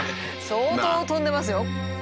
相当飛んでますよ。